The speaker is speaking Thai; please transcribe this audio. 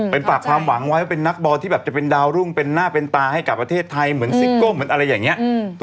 เป็นฝากความหวังไว้ว่าเป็นนักบอลที่แบบจะเป็นดาวรุ่งเป็นหน้าเป็นตาให้กับประเทศไทยเหมือนซิโก้เหมือนอะไรอย่างนี้